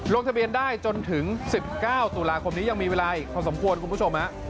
ลงทะเบียนได้จนถึง๑๙ตุลาคมนี้ยังมีเวลาอีกพอสมควรคุณผู้ชมฮะ